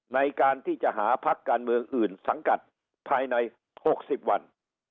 ในการที่จะหาพักการเมืองอื่นสังกัดภายใน๖๐วัน